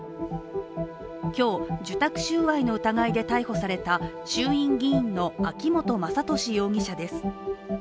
今日、受託収賄の疑いで逮捕された衆院議員の秋本真利容疑者です。